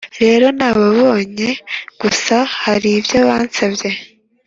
rero nababonye gusa haribyo bansabye.